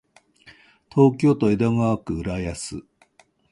東京都江戸川区浦安